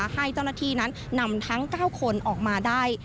ให้เจ้าหน้าที่นั้นนำทั้ง๙คนออกมาได้